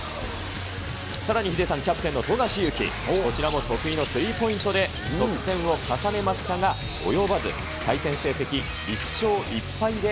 さらにヒデさん、キャプテンの富樫勇樹、こちらも得意のスリーポイントで得点を重ねましたが、及ばず。